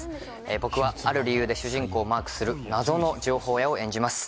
僕はある理由で主人公をマークする謎の情報屋を演じます